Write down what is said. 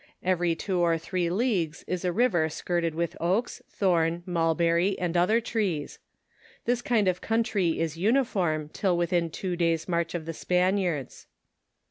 Every two or three leagues is a river skirted with oaks, thorn, mulberry, and other trees. This kind of country is uniform till within two days' march of the Span^ iards.